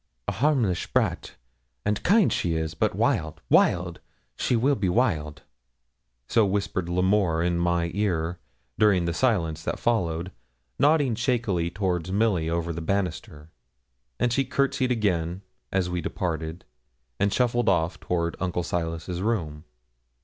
'A harmless brat, and kind she is; but wild wild she will be wild.' So whispered L'Amour in my ear, during the silence that followed, nodding shakily toward Milly over the banister, and she courtesied again as we departed, and shuffled off toward Uncle Silas's room.